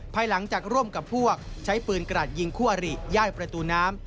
ภายหลังจากร่วมกับพวกใช้ปืนกระดยิงคู่อริย่านประตูน้ำ